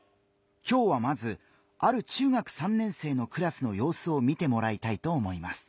今日はまずある中学３年生のクラスのようすを見てもらいたいと思います。